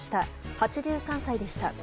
８３歳でした。